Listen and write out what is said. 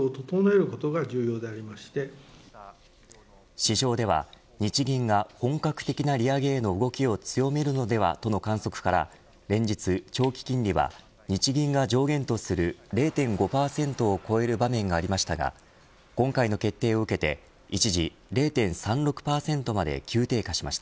市場では日銀が本格的な利上げへの動きを強めるのではとの観測から連日、長期金利は日銀が上限とする０．５％を超える場面がありましたが今回の決定を受けて一時０．３６％まで急低下しました。